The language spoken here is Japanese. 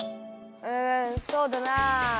うんそうだなあ。